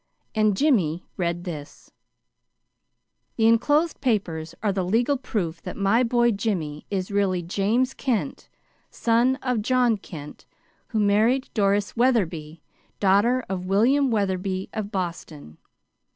And Jimmy read this: "The enclosed papers are the legal proof that my boy Jimmy is really James Kent, son of John Kent, who married Doris Wetherby, daughter of William Wetherby of Boston.